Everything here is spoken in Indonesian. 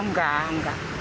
oh enggak enggak